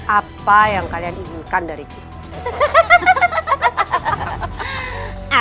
apa yang kalian inginkan dari kita